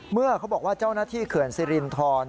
เมื่อเขาบอกว่าเจ้าหน้าที่เขื่อนสิรินทร